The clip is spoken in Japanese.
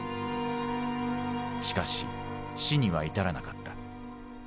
しかし死には至らなかった。